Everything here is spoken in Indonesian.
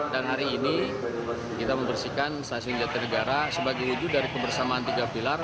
dan hari ini kita membersihkan stasiun jatinegara sebagai wujud dari kebersamaan tiga pilar